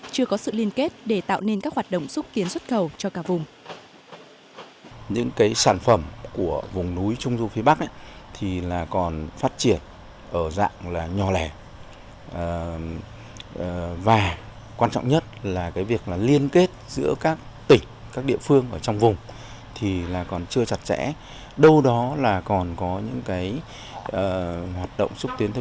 chưa có sự liên kết để tạo nên các hoạt động xúc tiến xuất cầu cho cả vùng